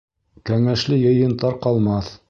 Кәңәшле йыйын тарҡалмаҫ.